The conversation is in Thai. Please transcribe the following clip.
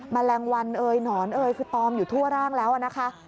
มะแรงวันหนอนคือตอมอยู่ทั่วร่างแล้วนะคะ